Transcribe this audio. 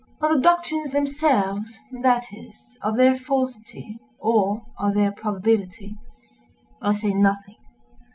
Of the doctrines themselves—that is, of their falsity, or of their probability—I say nothing.